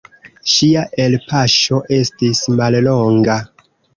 Ŝia elpaŝo estis mallonga.